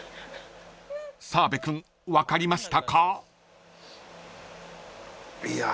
［澤部君分かりましたか？］